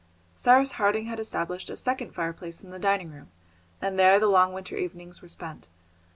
Cyrus Harding had established a second fireplace in the dining room, and there the long winter evenings were spent.